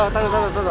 tanda tanda tanda